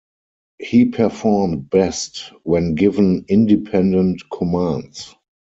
He performed best when given independent commands.